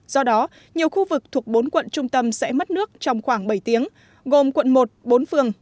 do đó nhiều khu vực thuộc bốn quận trung tâm sẽ mất nước trong khoảng bảy tiếng gồm quận một bốn phường